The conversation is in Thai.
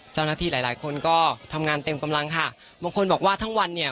เจ้าหน้าที่หลายหลายคนก็ทำงานเต็มกำลังค่ะบางคนบอกว่าทั้งวันเนี่ย